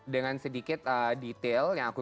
dengan sedikit detail yang aku